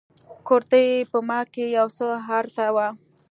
کورتۍ په ما کښې يو څه ارته وه.